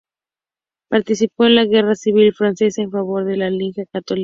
Participó en la guerra civil francesa, en favor de la Liga Católica.